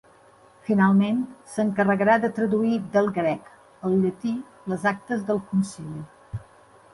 Finalment, s'encarregà de traduir del grec al llatí les actes del concili.